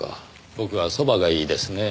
僕はそばがいいですねぇ。